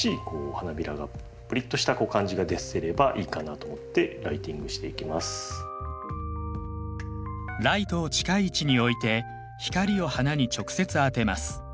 ポイントはライトを近い位置に置いて光を花に直接当てます。